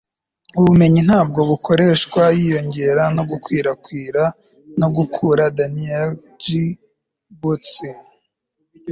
ubumenyi ntabwo bukoreshwa. yiyongera no gukwirakwira no gukura. - daniel j. boorstin